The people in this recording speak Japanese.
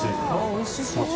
おいしそう。